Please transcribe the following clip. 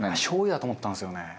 しょう油だと思ったんですよね。